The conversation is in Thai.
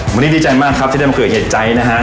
วันนี้ดีใจมากครับที่ได้มาเกิดเหตุใจนะฮะ